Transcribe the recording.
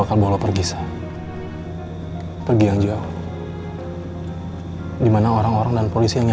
kita mau kemana sih